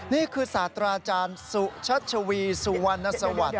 นี่คือศาตราจารย์สุชชวีสุวรรณสวรรค์